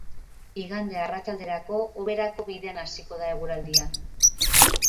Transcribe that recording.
Igande arratsalderako, hoberako bidean hasiko da eguraldia.